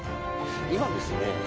今ですね